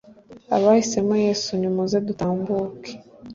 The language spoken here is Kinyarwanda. abahisemo yesu, nimuze, dutambuke,